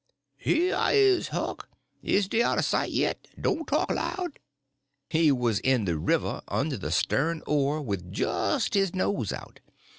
"Here I is, Huck. Is dey out o' sight yit? Don't talk loud." He was in the river under the stern oar, with just his nose out.